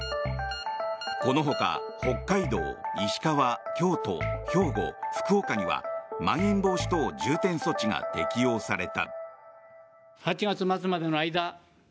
このほか北海道、石川、京都兵庫、福岡にはまん延防止措置が適用された。